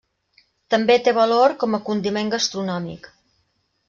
També té valor com a condiment gastronòmic.